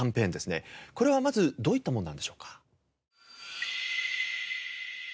これはまずどういったものなんでしょうか？